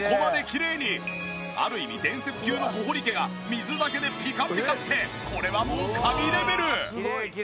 ある意味伝説級の小堀家が水だけでピカピカってこれはもう神レベル！